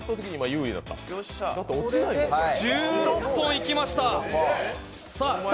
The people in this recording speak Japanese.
１６本いきました。